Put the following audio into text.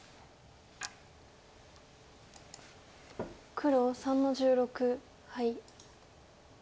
黒３の十六ハイ。